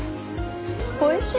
おいしい。